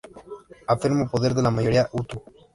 Afirmó poder de la mayoría hutu.